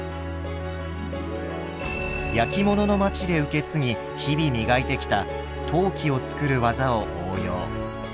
焼き物の町で受け継ぎ日々磨いてきた陶器を作る技を応用。